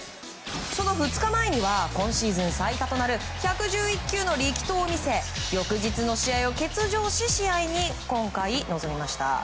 その２日前には今シーズン最多となる１１１球の力投を見せ翌日の試合を欠場し試合に今回、臨みました。